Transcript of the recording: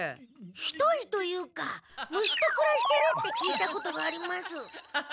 １人というか虫とくらしてるって聞いたことがあります。